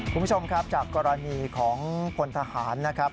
คุณผู้ชมครับจากกรณีของพลทหารนะครับ